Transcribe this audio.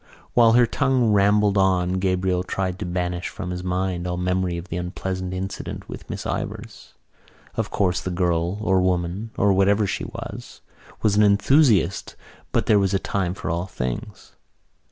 While her tongue rambled on Gabriel tried to banish from his mind all memory of the unpleasant incident with Miss Ivors. Of course the girl or woman, or whatever she was, was an enthusiast but there was a time for all things.